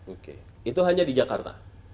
oke itu hanya di jakarta